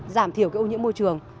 giảm thiểu cái ô nhiễm môi trường